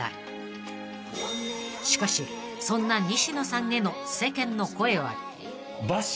［しかしそんな西野さんへの世間の声は］